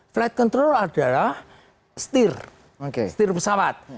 flight control adalah setir setir pesawat